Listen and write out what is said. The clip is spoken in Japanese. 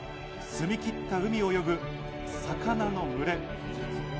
澄み切った海を泳ぐ魚の群れ。